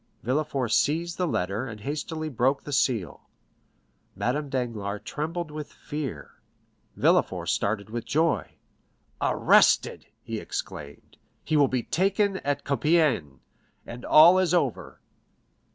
Villefort seized the letter, and hastily broke the seal. Madame Danglars trembled with fear; Villefort started with joy. "Arrested!" he exclaimed; "he was taken at Compiègne, and all is over."